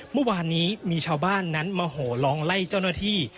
เมื่อวานนี้มีชาวบ้านนั้นมาโหลองไล่เจ้าหน้าที่